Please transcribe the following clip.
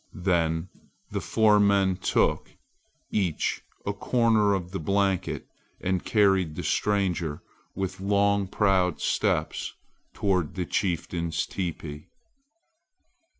Then the four men took, each, a corner of the blanket and carried the stranger, with long proud steps, toward the chieftain's teepee.